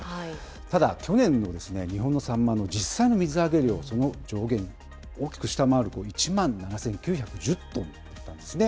ただ、去年の日本のサンマの実際の水揚げ量、その上限を大きく下回る１万７９１０トンだったんですね。